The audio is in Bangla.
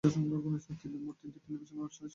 তিনি মোট তিনটি টেলিভিশন অনুষ্ঠান সৃষ্টি করেছেন।